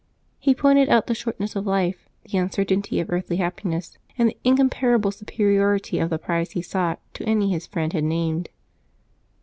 He pointed out the shortness of life, the uncertainty of earthly happiness, and the incomparable superiority of the prize he sought to any his friend had named.